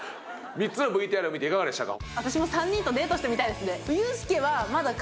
３つのＶＴＲを見ていかがでしたか？